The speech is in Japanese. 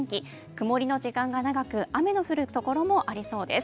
曇りの時間が長く雨の降るところもありそうです。